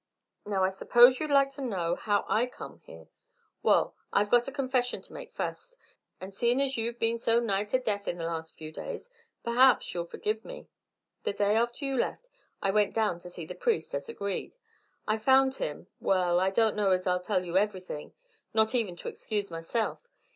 Now, I suppose you'd like to know how I come here. Wall, I've got a confession to make fust, and seein' as you've been so nigh to death in the last few days, p'r'aps you'll furgive me. The day after you left I went down to see the priest, as agreed. I found him well, I don't know as I'll tell everything, not even to excuse myself.